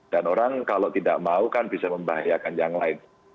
dan orang kalau tidak mau kan bisa membahayakan yang lain